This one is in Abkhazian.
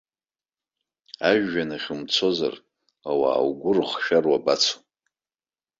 Ажәҩан ахь умцозар, ауаа угәы рыхшәар, уабацо?